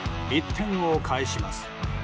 １点を返します。